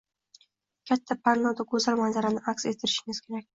katta pannoda go‘zal manzarani aks ettirishingiz kerak.